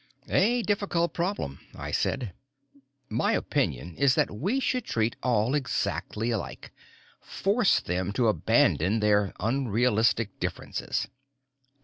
"A difficult problem," I said. "My opinion is that we should treat all exactly alike force them to abandon their unrealistic differences."